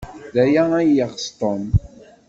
D aya ay yeɣs Tom.